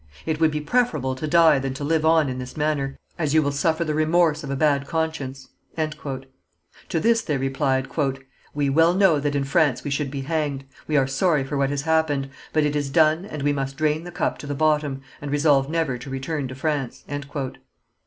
It would be preferable to die than to live on in this manner, as you will suffer the remorse of a bad conscience." To this they replied: "We well know that in France we should be hanged. We are sorry for what has happened, but it is done and we must drain the cup to the bottom, and resolve never to return to France."